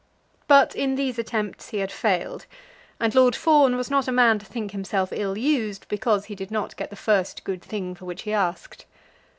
But in these attempts he had failed; and Lord Fawn was not a man to think himself ill used because he did not get the first good thing for which he asked.